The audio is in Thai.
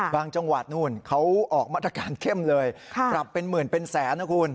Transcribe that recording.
จังหวัดนู่นเขาออกมาตรการเข้มเลยปรับเป็นหมื่นเป็นแสนนะคุณ